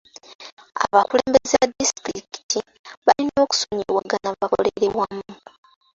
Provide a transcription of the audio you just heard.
Abakulembeze ba disitulikiti balina okusonyiwagana bakolere wamu.